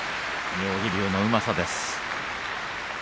妙義龍のうまさです。